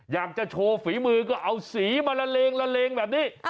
อยากจะโชว์ฝีมือก็เอาสีมาละเลงละเลงแบบนี้